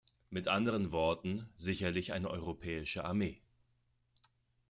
Mit anderen Worten sicherlich eine europäische Armee.